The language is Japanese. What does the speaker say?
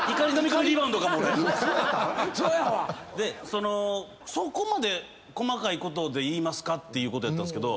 そのそこまで細かいことで言いますかっていうことやったんですけど。